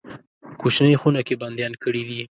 کوچنۍ خونه کې بندیان کړي دي.